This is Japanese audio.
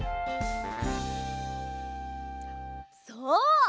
そう。